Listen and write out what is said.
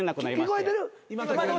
聞こえてる？